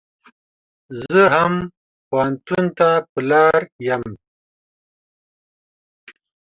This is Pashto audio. زه هم پو هنتون ته پر لار يم.